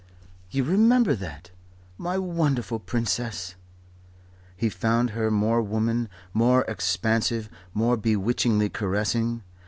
"You remember that? My wonderful Princess!" He found her more woman, more expansive, more bewitchingly caressing.